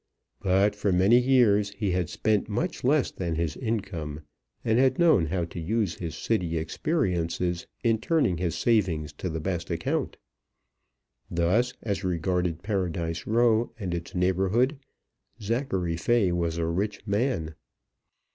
But for many years he had spent much less than his income, and had known how to use his City experiences in turning his savings to the best account. Thus, as regarded Paradise Row and its neighbourhood, Zachary Fay was a rich man.